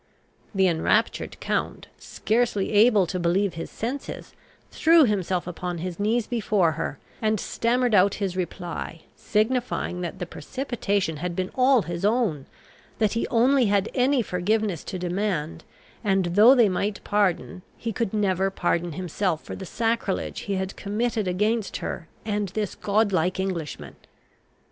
The enraptured count, scarcely able to believe his senses, threw himself upon his knees before her, and stammered out his reply, signifying that the precipitation had been all his own, that he only had any forgiveness to demand, and, though they might pardon, he could never pardon himself for the sacrilege he had committed against her and this god like Englishman.